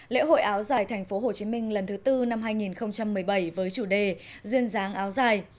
lễ hội áo dài tp hcm lần thứ tư năm hai nghìn một mươi bảy với chủ đề duyên dáng áo dài